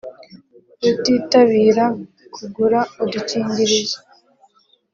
rutitabira kugura udukingirizo